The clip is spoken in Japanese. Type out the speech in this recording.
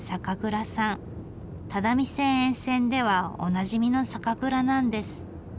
只見線沿線ではおなじみの酒蔵なんです。